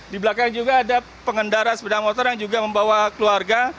di belakang juga ada pengendara sepeda motor yang juga membawa keluarga